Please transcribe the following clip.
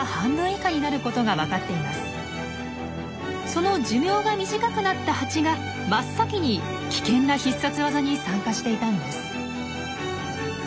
その寿命が短くなったハチが真っ先に危険な必殺技に参加していたんです。